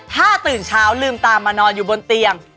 ถ้าตื่นเช้าลืมตามานอนอยู่บนเตียง